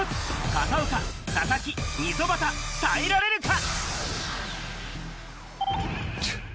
片岡、佐々木、溝端、耐えられるか？